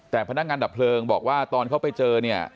แต่พนักงานดับเพลิงบอกว่าตอนเขาไปเจอเนี่ย